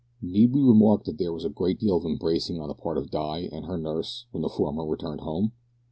Need we remark that there was a great deal of embracing on the part of Di and her nurse when the former returned home?